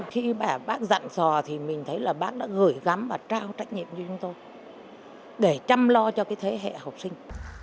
khi bác dặn sò thì mình thấy là bác đã gửi gắm và trao trách nhiệm cho chúng tôi để chăm lo cho cái thế hệ học sinh